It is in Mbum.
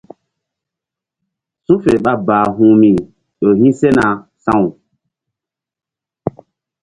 Su̧ fe ɓa bahu̧hmi ƴo hi̧ sena sa̧w.